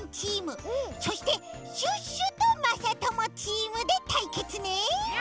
そしてシュッシュとまさともチームでたいけつね！